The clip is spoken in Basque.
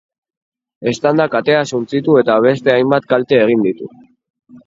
Eztandak atea suntsitu eta beste hainbat kalte egin ditu.